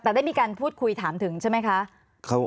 แต่ได้มีการพูดคุยถามถึงใช่ไหมคะ